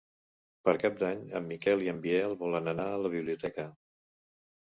Per Cap d'Any en Miquel i en Biel volen anar a la biblioteca.